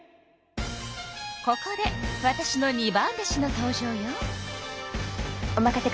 ここでわたしの二番弟子の登場よ。